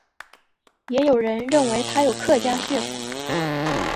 也有人认为他有客家血统。